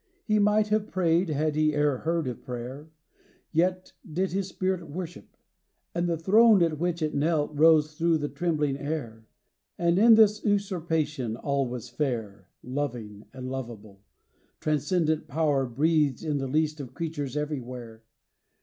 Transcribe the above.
He might have prayed had he e'er heard of prayer; Yet did his spirit worship, and the throne At which it knelt rose thro' the trembling air; And in this usurpation all was fair. Loving and lovable; transcendent power Breathed in the least of creatures everywhere.